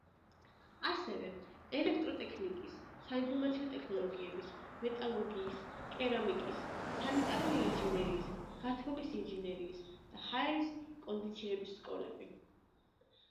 ასევე: ელექტროტექნიკის, საინფორმაციო ტექნოლოგიების, მეტალურგიის, კერამიკის, სანიტარული ინჟინერიის, გათბობის ინჟინერიის და ჰაერის კონდიცირების სკოლები.